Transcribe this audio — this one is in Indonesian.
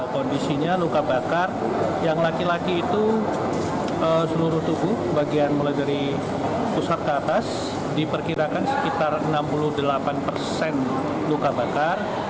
kondisinya luka bakar yang laki laki itu seluruh tubuh bagian mulai dari pusat ke atas diperkirakan sekitar enam puluh delapan persen luka bakar